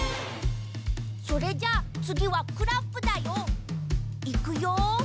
それじゃあつぎはクラップだよ。いくよ！